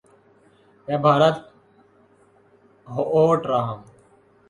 میں بھارت ہوٹ رہا ہوں